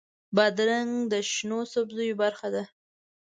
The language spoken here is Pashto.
بادرنګ د شنو سبزیو برخه ده.